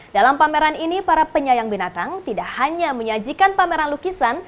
dalam pameran ini para penyayang binatang tidak hanya menyajikan pameran lukisan